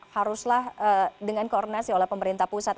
haruslah dengan koordinasi oleh pemerintah pusat